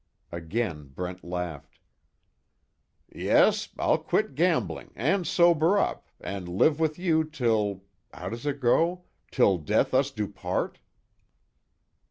Again Brent laughed: "Yes, I'll quit gambling, and sober up, and live with you till how does it go till death us do part."